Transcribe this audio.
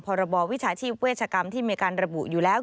พรบวิชาชีพเวชกรรมที่มีการระบุอยู่แล้ว